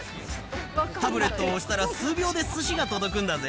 タブレットを押したら数秒ですしが届くんだぜ。